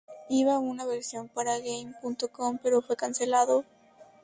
Iba a una versión para Game.com pero fue cancelado.